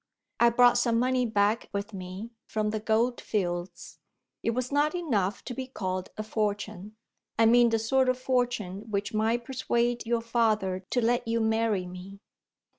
I brought some money back with me, from the goldfields. It was not enough to be called a fortune I mean the sort of fortune which might persuade your father to let you marry me.